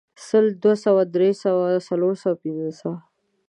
سل، دوه سوه، درې سوه، څلور سوه، پنځه سوه